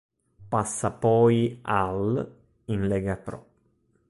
Passa poi all', in Lega Pro.